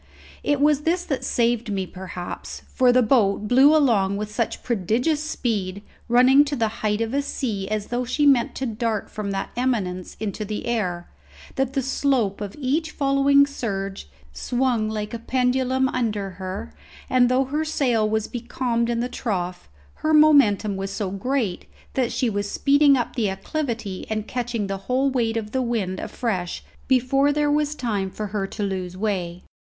It was this that saved me, perhaps; for the boat blew along with such prodigious speed, running to the height of a sea as though she meant to dart from that eminence into the air, that the slope of each following surge swung like a pendulum under her, and though her sail was becalmed in the trough, her momentum was so great that she was speeding up the acclivity and catching the whole weight of the wind afresh before there was time for her to lose way.